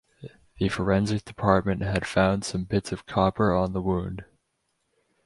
The forensic department had found some bits of copper on the wound.